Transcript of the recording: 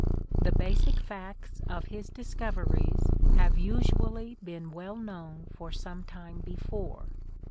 The basic facts of his discoveries have usually been well known for some time before.